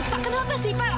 pak kenapa sih pak